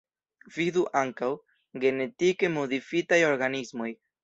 Vidu ankaŭ: Genetike modifitaj organismoj.